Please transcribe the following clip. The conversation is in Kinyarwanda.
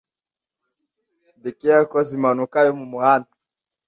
dick yakoze impanuka yo mumuhanda